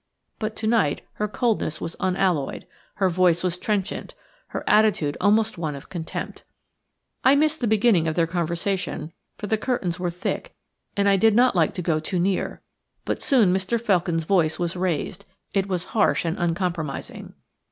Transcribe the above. But to night her coldness was unalloyed; her voice was trenchant, her attitude almost one of contempt. I missed the beginning of their conversation, for the curtains were thick and I did not like to go too near, but soon Mr. Felkin's voice was raised. It was harsh and uncompromising.